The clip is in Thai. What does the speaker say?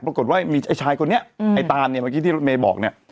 ปรากฏว่ามีไอ้ชายคนนี้ไอ้ตานเนี่ยเมย์บอกเนี่ย